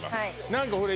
何かほら